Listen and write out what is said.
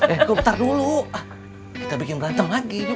eh kok bentar dulu kita bikin ranteng lagi